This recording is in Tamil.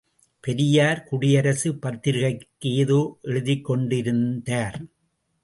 பெரியார் குடியரசு பத்திரிகைக்கு ஏதோ எழுதிக் கொண்டிருந்தார்.